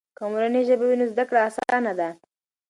که مورنۍ ژبه وي، نو زده کړه آسانه ده.